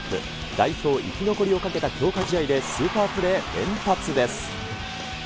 代表生き残りをかけた強化試合でスーパープレー連発です。